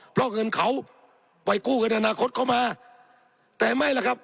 เพราะเงินเขาไปกู้เงินอนาคตเขามาแต่ไม่ล่ะครับ